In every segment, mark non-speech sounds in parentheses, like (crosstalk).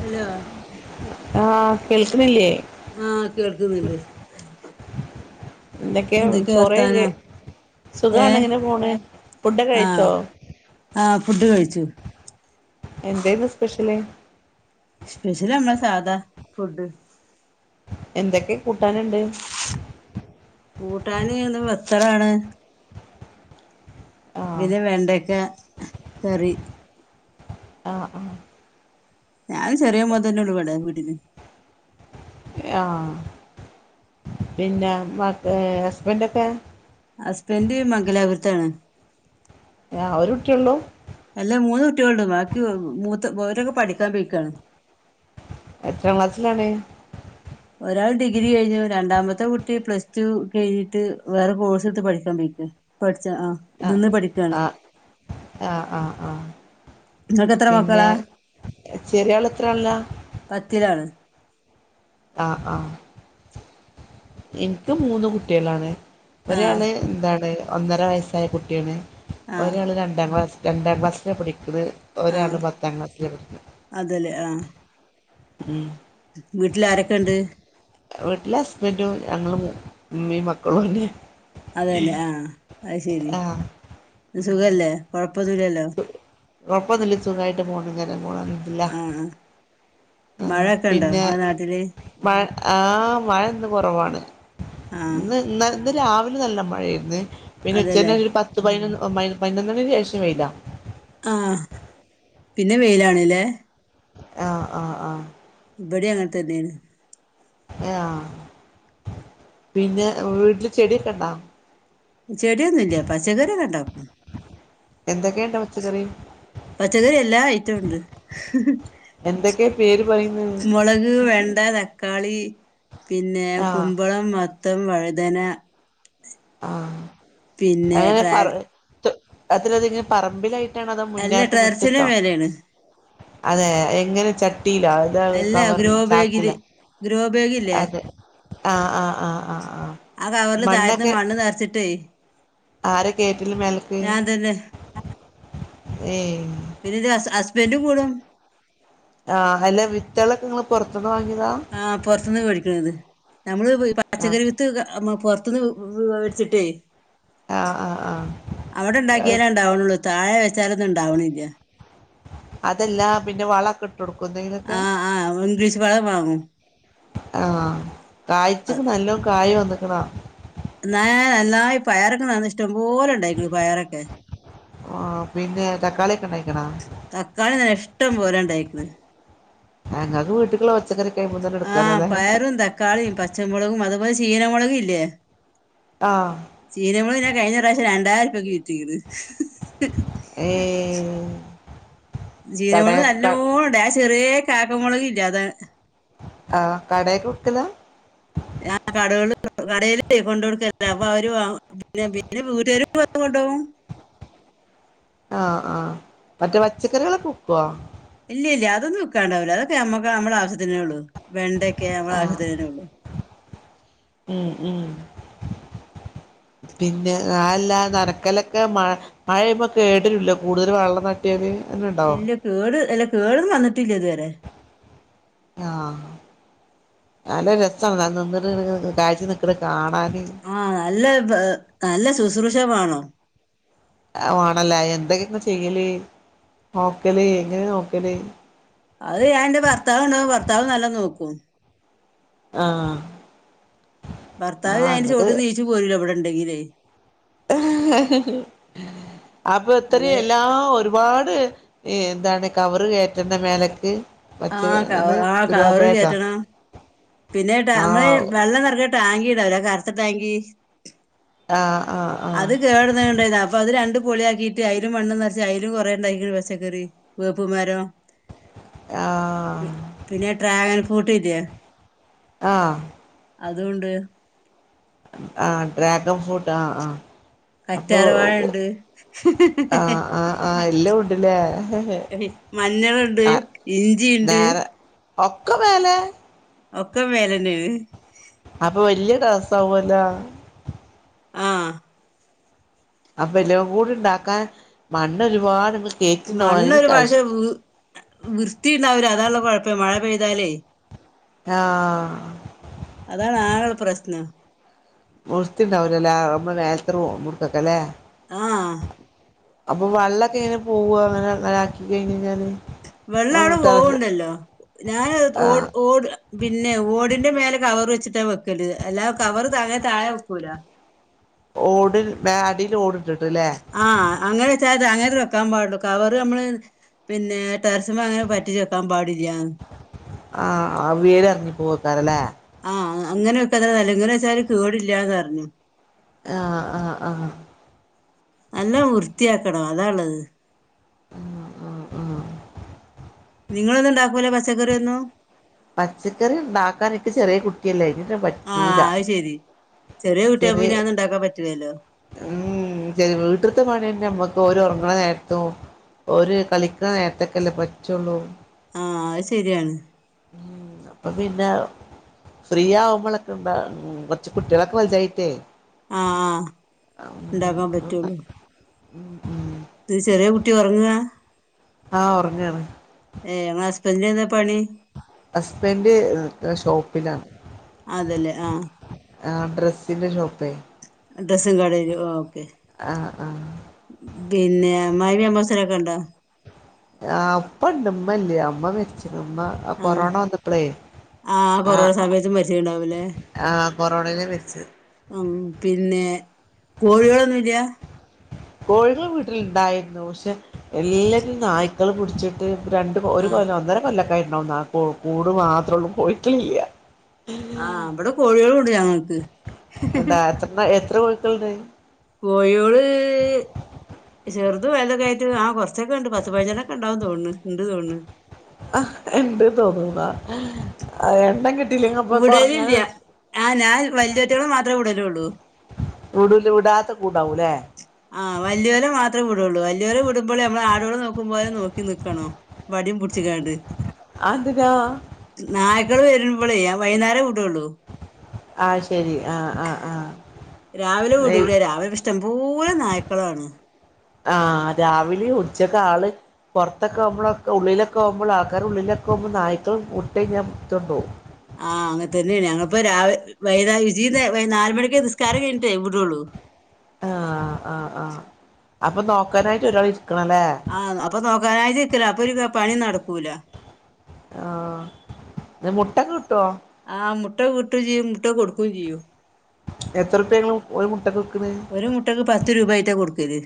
Hello ആഹ് കേൾക്കുന്നില്ലേ ആഹ് കേൾക്ക്ന്ന്ണ്ട് എന്തൊക്കെയാ ചോറു വർത്താനം (unintelligible) സുഖാണ് ഏഹ് ഇങ്ങനെ പോണ് ഫുഡ് ആഹ് കഴിച്ചോ ആഹ് ഫുഡ് കഴിച്ചു എന്തെയിന്ന് സ്പെഷ്യല് സ്പെഷ്യൽ നമ്മളെ സാദാ ഫുഡ് എന്തൊക്കെ കൂട്ടാനുണ്ട് കൂട്ടാന് ഇന്ന് വത്തറാണ് ആഹ് പിന്നെ വെണ്ടക്ക കറി ആഹ് ആഹ് ഞാനും ചെറിയ മോൻതന്നെ ള്ളൂ വിടെ വീട്ടില് ആഹ് പിന്നെ മ ഹസ്ബൻഡൊക്കെ ഹസ്ബൻഡ് മംഗലാപുരത്താണ് ആഹ് ഒരൂട്ടിയൊള്ളൂ അല്ല മൂന്ന് കുട്ടികളുണ്ട് ബാക്കി മൂത്ത ഓരൊക്കെ പഠിക്കാൻ പോയിക്കാണ് എത്രാം ക്ലാസ്സിലാണ് ഒരാൾ ഡിഗ്രി കഴിഞ്ഞു രണ്ടാമത്തെ കുട്ടി പ്ലസ് ടു കഴിഞ്ഞിട്ട് വേറെ കോഴ്സെടുത്ത് പഠിച്ചോണ്ടിരിക്കാ പഠിച്ച് ആഹ് ഇതിന്ന് പഠിക്കാണ് ആഹ് ആഹ് ആഹ് ആഹ് നിങ്ങൾക്കെത്ര മക്കളാ ചെറിയാള് എത്രാള്ലാ പത്തിലാണ് ആഹ് ആഹ് എനിക്ക് മൂന്ന് കുട്ടികളാണ് ആഹ് ഒരാള് എന്താണ് ഒന്നര വയസ്സായ കുട്ടിയാണ് ആഹ് ഒരാള് രണ്ടാം ക്ലാസ് രണ്ടാം ക്ലാസ്സിലാണ് പഠിക്കത് ആഹ് ഒരാള് പത്താം ക്ലാസ്സിലാ പഠിക്കുന്നെ അതല്ലേ ഉം വീട്ടിലാരൊക്കേണ്ട് വീട്ടില് ഹസ്ബൻ്റും ഞങ്ങള് മൂ ഉമ്മീം മക്കളുവാണ് അതെല്ലേ ആഹ് അത് ശരി പിന്നെ സുഖല്ലേ കൊഴപ്പൊന്നുല്ലല്ലോ കൊഴപ്പൊന്നൂല്ല സുഖായിട്ട് പോണ്ങ്ങനെ പോണ് അൽഹംദുലില്ലാഹ് ആഹ് ആഹ് മഴയൊക്കെ ഉണ്ടോ പിന്നെ നിങ്ങളെ നാട്ടില് മഴ ആഹ് മഴ ന്ന് കുറവാണ് ആഹ് ഇന്ന് ഇന്ന് ഇന്ന് രാവിലെ നല്ല മഴയാരുന്നേ പിന്നെ അതെല്ലേ ഉച്ചകഴിഞ്ഞ് ഒരു പത് പത്തുപൈനൊന്ന് പതിനൊന്നിന് ശേഷം വെയിലാ ആഹ് പിന്നെ വെയിലാണ് ല്ലേ ആഹ് ആഹ് ആഹ് ഇബിടേം അങ്ങനത്തന്നേണ് ആഹ് പിന്നെ വീട്ടില് ചെടിയൊക്കെ ണ്ടോ ചെടിയൊന്നൂല്യ പച്ചക്കറിയൊക്കെണ്ടാക്കും എന്തൊക്കെയുണ്ട് പച്ചക്കറി പച്ചക്കറി എല്ലാ ഐറ്റവുണ്ട് എന്തൊക്കെ പേര് പറയുന്നത് മുളക് വെണ്ട ത ക്കാളി പിന്നെ ആഹ് കുമ്പളം മത്തം വഴുതന ആഹ് പിന്നെ അതെങ്ങനെ ഡ്രാ പറ തൊ അത്രതികം പറമ്പിലായിട് ട്ടാണോ അതൊ അല്ല മുന്നായത്ത് ടെറസിന്റെ മുറ്റത്തോ മേലെയാണ് അതെ എങ്ങനെ ചട്ടീലോ അല്ല കവറി ഗ്രോ ബാഗില് ചാക്കിലൊ ഗ്രോ ബാഗില്ലേ അതെ ആഹ് ആഹ് ആഹ് ആഹ് ആഹ് ആഹ് കവറില് താഴത്തിന്ന് മണ്ണ് നിർച്ചിട്ടേ ആര കേറ്റില് മേലക്ക് ഏയ് പിന്നെ ഇത് ഹസ്ബൻഡ് കൂടും ആഹ് അല്ല വിത്തുകളൊക്കെങ്ങൾ പുറത്തന്ന് വാങ്ങിയതാ? ആഹ് പൊറത്തിന്ന് മേടിക്കണത് നമ്മള് ആഹ് പച്ചക്കറി വി ത്ത് നമ്മ പൊറത്തുന്ന് വെടിച്ചിട്ടേ ആഹ് ആഹ് ആഹ് അവിടെ ഉണ്ടാക്കിയാലേ ഉണ്ടാവണള്ളൂ താഴെ വെച്ചാലൊന്നും ഉണ്ടാവണില്ല അതെല്ല പിന്നെ വള ഒക്ക ഇട്ട കൊടുക്കുന്നേല് ആഹ് ആഹ് ഉംഗ്ലീഷ് വള വാങ്ങും ആഹ് കാഴ്ചക്ക് നല്ലോ കായ വന്നക്കണ ന്നായി നന്നായി പയറൊകെ ഇഷ്ടം പോലെണ്ടായിങ്ങ പയറൊക്കെ ആഹ് പിന്നെ തക്കാളിയൊക്കെ ഉണ്ടായിക്കണ തക്കാളി ഇഷ്ടം പോലെ ഇണ്ടായിക്കണ് നിങ്ങക്ക് വീട്ടിക്കുള്ള പച്ചക്കറി ഒക്കെ അവിടുന്ന് തന്നെ ആ എടുക്കാവല്ലേ അല്ലെ പയറും തക്കാളിയും പച്ചമുളകും അതുപോലെ ചീനമുളകും ഇല്ലേ? ആഹ് ചീനമുളക് ഞാൻ കഴിഞ്ഞ പ്രാവശ്യം രണ്ടായിരൂപക്ക് വിറ്റികണ് ഏഹ് കടേ ചീരമുളക് ക നല്ലോണം ഉണ്ടായി ആ ചെറിയ കാരം മുളകില്ലേ അത ആഹ് കടയിക്ക് കൊടുകൂല്ല കടകള് കടേൽ കൊണ്ട കൊടുക്ക അപ്പൊ അവര് വാങ്ങും പിന്നെ വീട്ടുകാര് കൊണ്ടോവും ആഹ് ആഹ് മറ്റേ പച്ചക്കറികളൊക്കെ വിക്കുവാ ഇല്ല ഇല്ല അതൊന്നും ഉക്കാണ്ടാവില്ല അതൊക്കെ നമ്മക്ക് നമ്മട ആശ്യത്തിന ഉള്ളു വെണ്ടക്ക നമ്മട ആഹ് ആവശ്യത്തിനെ ഉള്ളു ഉം ഉം (inaudible) പിന്നെ നല്ല നനക്കലൊക്കെ മഴ മഴയ കേട്ട ലില്ല കൂടുതൽ വെള്ളം നട്ട കുട്ടിയത് എന്നെ ഉണ്ടാവോ ഇല്ല കേട് അല്ല കേടൊന്നും വന്നിട്ടില്ല ഇതുവരെ ആഹ് നല്ല രസമാണ് ഞാൻ നിന്നിട്ട് കാഴ്ച നിക്കട കാണാൻ ആഹ് നല്ല നല്ല ശുഷ്‌ർഷേ വേണോം വാണല്ല എന്തെങ്കെ ചെയ്യല് നോക്കല് എങ്ങനെ നോക്കല് അത് ഞാൻ എന്റെ ഭർത്താവ് ഉണ്ടാവും ഭർത്താവ് നല്ല നോക്കും ആഹ് ഭർത്താവ് ആഹ് അതിന്റെ എന്നിട്ട് ചോട്ട് ന് എരിച്ചു പോരു വല്ലോ ഇവിടെ ഉണ്ടെങ്കില് അപ്പൊ ഇത്രയും അങ്ങനെ എല്ലാം ഒരു ഒരുപാട് എന്താണ് കവറ് കയറ്റണ്ട മേലക്ക് ആഹ് ക മറ്റേത് ഏത് ആഹ് ഗ്രൗ കവറ് ഭാഗാ കേറ്റണം പിന്നെ നമ്മള് വെള്ളം നിറഞ്ഞ ടാങ്കക് ഇടാവല്ലോ കറുത്ത ടാങ്ക് ആഹ് ആഹ് അത് ആഹ് കേടന്നണ്ടതാ അപ്പൊ അത് രണ്ട് പൊളിയാക്കിട്ട് അയിലും മണ്ണ നിറച് അയിലും കുറെേ ഉണ്ടാക്കി പച്ചക്കറി വേപ്പ്മരോ ! ആഹ് പി പിന്നെ ഡ്രാഗൺഫ്രൂട്ട് ഇല്ല്യേ ആഹ് അതൂണ്ട്. ആഹ് ഡ്രാഗൺഫ്രൂട്ട് ആഹ് ആഹ് അപ്പൊ കറ്റാർ വാഴ ണ്ട്. ആഹ് ആഹ് ആഹ് എല്ലാം ഉണ്ടല്ലേ മഞ്ഞള്ണ്ട് ഇഞ്ചിണ്ട്. ഒക്ക മേലെ ഒക്ക മേലെന്നേണ്. അപ്പ വല്യ ടെറസാവല്ലോ ആഹ് അപ്പ എല്ലതും കൂടി ഉണ്ടാക്കാൻ മണ്ണ് ഒരുപാട് കേറ്റിണ്ടാവാനും മണ്ണൊരു കാശ് പക്ഷേ വ് വൃത്തിണ്ടാവൂല അതാള്ളെ കൊഴപ്പയ് മഴ പെയ്താലേയ്. ആഹ്. അതാണ് ആകെള്ളെ പ്രശ്നം. വൃത്തി ഇണ്ടാവൂലലേ നമ്മൾ മേൽത്തെ റൂ മ്കൊക്കെ ല്ലേ. ആഹ്. അപ്പൊ വള്ളൊക്കെ എങ്ങനെ പോവാ ഇങ്ങനെ അങ്ങന ആക്കി കഴിഞ്ഞഴിഞ്ഞാല്. വെള്ളവടെ പോവ്ണ്ടല്ലോ ഞാനത് ഓട് ആഹ് ഓട് പിന്നെ ഓടിന്റെ മേലെ കവറ് വെച്ചിട്ടാ വെക്കല് അല്ലാതെ കവറ് താനെ താഴെ വെക്കൂല. ഓട് മേ അടീല് ഓട് ട്ട്ട്ട്ല്ലേ? ആഹ് അങ്ങനെ വെച്ചാത് അങ്ങനേ ഇത് വെക്കാൻ പാടുള്ളൂ. കവർ അമ്മള് പിന്നേ ടെറസ്മ്മേ അങ്ങനെ പറ്റിച്ച് വെക്കാൻ പാടില്ല്യാന്ന്. ആഹ് അ വേര് എർങ്ങിപ്പോവെക്കാരല്ലേ? ആഹ് അങ്ങന വെക്കാ തന്നെ നല്ലത്. ഇങ്ങനെ വെച്ചാല് കേടില്ലാന്നർഞ്. ആഹ് ആഹ് ആഹ്. നല്ലം വൃത്തിയാക്കണം അതാള്ളത്. ഉം ഉം ഉം നിങ്ങളൊന്നും ഇണ്ടാക്കൂലേ പച്ചക്കറ്യൊന്നും? പച്ചക്കറി ഇണ്ടാക്കാൻ ഇക്ക് ചെറ്യേ കുട്ടില്ലേ അയിനേറ്റും പറ്റൂല. ചെറ്യേ കുട്ട്യാവുമ്പ പിന്നെ അഒന്നും ഇണ്ടാക്കാൻ പറ്റൂലല്ലോ. ഊംഉ ചെർ വീട്ട്ത്തെ പണ്യെന്നെ അമ്മക്കോര് ഒറങ്ണെ നേരത്തും. ഓര് കളിക്ക്ണ നേരത്തൊക്കല്ലേ പറ്റൊള്ളൂ. ആഹ് അഹ്ശരിയാണ്. ഉം അപ്പ പിന്നെ. ഫ്രീ ആവുമ്പളക്കണ്ടാ ഉം കൊർച്ച് കുട്ട്യേളൊക്കെ വെൽതായിട്ടേ. ആഹ് ഇണ്ടാക്കാൻ പറ്റുള്ളൂ. ഉം ഉം. ഇത് ചെറ്യേ കുട്ടി ഒറങ്ങാ? ആഹ് ഒർങ്ങാണ്. ഏഹ് ഇങ്ങളെ ഹസ്ബെന്റിനെന്താ പണി? ഹസ്ബൻഡ് നിക്ക്ണ ഷോപ്പിലാണ്. അതെ ല്ലെ ആഹ്. ആഹ് ഡ്രെസ്സിന്റെ ഷോപ്പേ. ഡ്രെസ്സും കടേല് ഓക്കെ ആഹ് ആഹ് ബിന്നെ അമ്മായിമ്മീം അമ്മോസനൊക്കെ ഇണ്ടോ? ആഹ് ഇപ്പണ്ട് ഇമ്മല്യാ ഇമ്മ മരിച്ചിക്കിണ് ഇമ്മ ആഹ് കൊറോണ വന്നപ്പളേ. ആഹ് കൊറോണ സമയത്ത് മരിച്ചിട്ടുണ്ടാവുലെ. ആഹ് കൊറോണയിലാ മരിച്ചത് ഉം പിന്നെ കോഴികളൊന്നുല്ല. കോഴികള് വീട്ടില്ണ്ടായിരുന്നു പക്ഷെ എല്ലാറ്റിനെ നായ്ക്കള് പിടിച്ചി ട്ട് രണ്ട് കൊ ഒരു ആഹ് കൊല്ലം ഒന്നര കൊല്ലക്കൊയിണ്ടാവ കൂട് മാത്രോള്ളു കോയിക്കളില്ല. ആഹ് ഇബടെ കോഴേളുണ്ട് ഞങ്ങക്ക്. എത്രണ്ണ എത്രകോഴി ക്കളുണ്ട്. കോയോള്. ചെറുതും വലുതോക്കായിട്ട് ആഹ് കൊറച്ചൊക്കെ ഇണ്ട് പത്ത് പയി ഞ്ചണ്ണോക്കേ ഇണ്ടാവും തോണണ് ഇണ്ട് തോണ്ണ്. ആഹ് ഇണ്ട് തോന്നുണുന്നാ എണ്ണം കി വിടലില്ല ആഹ് ഞാൻ വല്യേറ്റ ങ്ങളെ മാത്രേ വിടലൊള്ളൂ. വിടൂല വിടാത്തെ കൂടാവുല്ലേ. ആഹ് വല്യോലെ മാത്രേ വിടുള്ളൂ ആഹ് വല്യോരെ മാത്രേ വിടൊള്ളൂ വല്യോരെ വിടുമ്പള് അമ്മള് ആടോളെ നോക്കുമ്പോലെ നോക്കി നിക്കണം. വടിം പുടിച്ചിക്കാണ്ട്. അഹ് എന്തിനാ? നായ്ക്കള് വരുമ്പളെ വൈുന്നേരേ വിടള്ളൂ അഹ് ശരി ആഹ് ആഹ് ആഹ് രാവിലെ വിടൂല രാവിലെ ഇഷ്ടംപോലെ നായ്ക്കളാണ് ആഹ് രാവിലെ ഉച്ചക്ക് ആള് പുറത്തൊക്കെ ആകുമ്പളൊക്കെ ഉള്ളിലൊക്കെ ആകുമ്പോൾ ആൾക്കർ ഉള്ളിലൊക്കെകുമ്പോൾ നായ്ക്കൾ (unintelligible) പിടിച്ചോണ്ട് പോകും ആഹ് അങ്ങനെ തന്നെയാണ് ഞങ്ങളിപ്പാ രാ വൈകാ (unintelligible) നാല് മണിക്കെ നിസ്കാരം കഴിഞ്ഞിട്ടേ വിടുള്ളൂ ആഹ് ആഹ് ആഹ് അപ്പൊ നോക്കാനായിട്ട് ഒരാൾ ഇരിക്കണല്ലേ ആഹ് അപ്പോൾ നോക്കാനായിട്ടിക്കല്ലെ അപ്പോൾ ഒരു പണി നടക്കൂല ആഹ് ഇന്ന് മുട്ട ഒക്കെ കിട്ടുവോ ആഹ് മുട്ട കിട്ടുകയും ചെയ്യും മുട്ട കൊടുക്കുകയും ചെയ്യും എത്രുപ്യ ഇങ്ങള് ഒരു മുട്ടക്ക് വിക്ക്ണത് ഒരു മുട്ടക്ക് പത്ത് രൂപ ആയിട്ടാ കൊടുക്കല്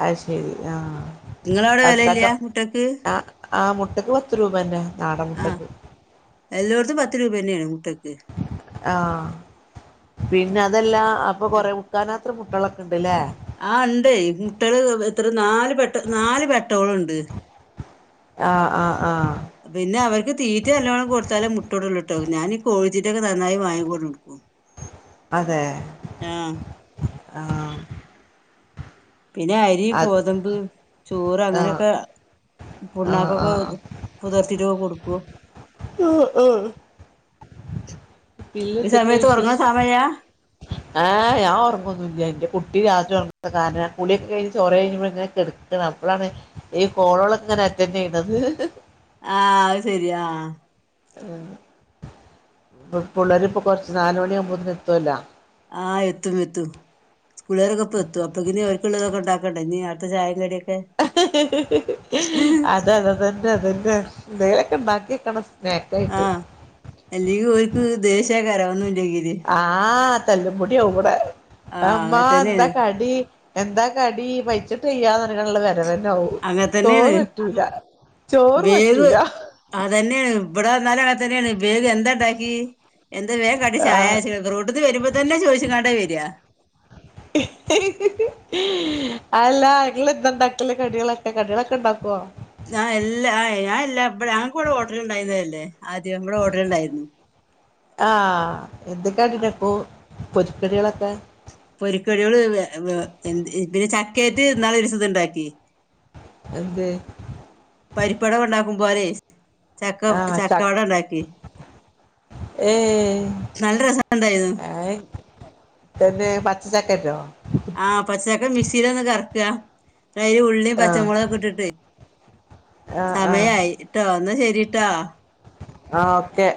അത് ശരി ആഹ് നിങ്ങളവിടെ അത് വെലയില്ല കച്ചോ മുട്ടക്ക് ആഹ് ആഹ് മുട്ടക്ക് പത്ത് രൂപന്ന നാടൻ മുട്ടക്ക് എല്ലോട്ത്തും പത്ത് രൂപ തന്നെയാണ് മുട്ടക്ക് ആഹ് പിന്നെ അതെല്ല അപ്പൊ കൊറെ ക്കാണാത്ര മുട്ടകളൊക്കെ ഉണ്ട്ല്ലേ ആഹ് ഉണ്ട് എയ് മുട്ടള് എത്ര നാല് പെ നാല് പെട്ടോളുണ്ട് ആഹ് ആഹ് ആഹ് പിന്നെ അവർക്ക് തീറ്റ നല്ലോണം കൊടുത്താലെ മുട്ട ഇടൊള്ളൂ ട്ടോ ഞാനി കോഴിത്തീറ്റൊക്കെ നന്നായി വാങ്ങി കൊണ്ടൊന്നു കൊടുക്കും അതെ ആഹ് ആഹ് പിന്നെ അരി അത് ഗോതമ്പ് ചോറ് ആഹ് അങ്ങനെയൊക്കെ ആഹ് ആഹ് പുണ്ണാകൊക്കെ പുതിർത്തീട്ടൊക്കെ കൊടുക്കൂ ആഹ് ആഹ് ഈ പിന്നെന്തൊക്കെയാ സമയത്ത് ഉറങ്ങണ വിശേഷം സമയ ആഹ് ഞാൻ ഒറങ്ങന്നില്ല എനിക്കു കുട്ടി രാത്രി ഉറങ്ങുത്ത കാരണം (unintelligible) അപ്പോളാണ് ഈ കോളൊളോക്കെ ഇങ്ങനെ അറ്റൻഡ് ചെയ്യണത് ആഹ് അത് ശെരിയാ ആഹ് പിള്ളരിപ്പൾ കുറച്ച് നാല് മണിയ ആകുമ്പോത്തന് എത്തുമല്ലോ ആഹ് എത്തും എത്തും സ്കൂളുകരൊക്കെ ഇപ്പോ എത്തും അപ്പ ഇനി അവർക്കള്ളതൊക്കെ ഉണ്ടാക്കണ്ട ഇനി അടുത്തെ ചായ കടിയൊക്കെ അത അത അതന്നെ അതന്നെ ന്തെലൊക്കെ ണ്ടാക്കി വെക്കണം ആഹ് എല്ലെങ്കും ഒൽക്ക് ദേഷ്യ കാരം ഒന്നുല്ലെങ്കില് ആഹ് തല്ലു മുടിയാവുംബടെ ആഹ് അമ്മ അങ്ങനെ എന്താ തന്നെയാണ് കടി എന്താ കടി പയ്ച്ചിട്ട് ചെയ്യാന്ന്നുള്ള വരവന്നാവും അങ്ങനെ ചോറ് തന്നെയാണ് പറ്റൂല ചോറ് പറ്റൂല അതന്നെനയാണ് ഇവിട വന്ന അങ്ങനെ തന്നെണ് വേഗം എന്താ ഉണ്ടാക്കി എന്ത് വേഗ കടി ചായ റൂട്ടത്ത് വരുമ്പോ തന്നെ ചോദിച്ച കാണ്ടേ വരിയാ അല്ല ഇങ്ങളെന്താ ഉണ്ടാക്കല് കടികളൊക്കെ കടികളൊക്കെ ഉണ്ടാക്കുവോ ഞ എല്ലാ ഞാൻ എല്ലാംടെ ഞങ്ങക്കൂവിടെ ഓർട്ടർ ഉണ്ടായിുന്നതല്ലേ ആദ്യം നമ്മടെ ഓർട്ടർ ഉണ്ടായിരുന്നു ആഹ് എന്തൊക്കെ കടിണ്ടാക്കു പൊരിക്കടികളൊക്കെ പൊരിക്കടികള് എന്തിനു പിന്നെ ചക്കയറ്റ് നാളെ ഇന്നാലൊരു ദിവസം ഉണ്ടാക്കി എന്ത് പരിപ്പ് വട ഉണ്ടാക്കും പോലെ ചക്ക ആഹ് ച ചക്കവടണ്ടാക്കി ഏഹ് ഉണ്ടായിരുന്നു തന്നെ പച്ച ചക്കന്റോ ആഹ് പച്ചച്ചക്കെ മിക്സിയില ഒന്ന് കറക്ക ന്നട്ട് അയ്ൽ ഉള്ളിയും ആഹ് പച്ചമുളകൊക്കെ ഇട്ടിട്ടെ ആഹ് ആഹ് സമയായി യിട്ടോ എന്നാ ശരിട്ടോ ആഹ് ഓക്കെ